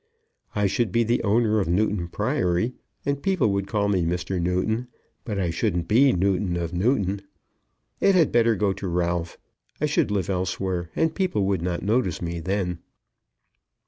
I should be the owner of Newton Priory, and people would call me Mr. Newton. But I shouldn't be Newton of Newton. It had better go to Ralph. I should live elsewhere, and people would not notice me then."